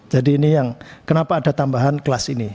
jadi ini yang kenapa ada tambahan kelas ini